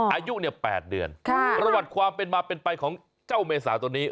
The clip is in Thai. อายุเนี่ย๘เดือนรวดความเป็นไปของเจ้าเมสาตอนนี้